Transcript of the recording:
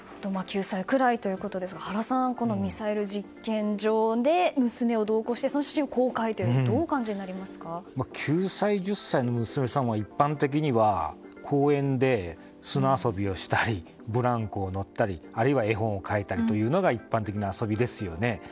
９歳ぐらいということですが原さん、ミサイル実験場で娘を同行してその写真を公開することを９歳、１０歳の娘さんは一般的には公園で砂遊びをしたりブランコに乗ったりあるいは絵本を描いたりとかが一般的な遊びですよね。